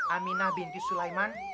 aminah binti sulaiman